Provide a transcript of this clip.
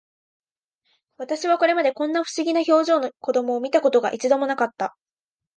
私はこれまで、こんな不思議な表情の子供を見た事が、一度も無かった